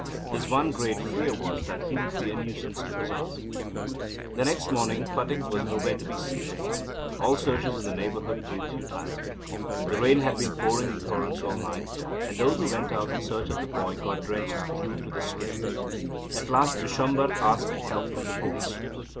His one great fear was that he would be a nuisance to his aunt. The next morning Phatik was nowhere to be seen. All searches in the neighbourhood proved futile. The rain had been pouring in torrents all night, and those who went out in search of the boy got drenched through to the skin. At last Bisbamber asked help from the police.